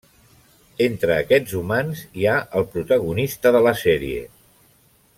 Entre aquests humans hi ha el protagonista de la sèrie.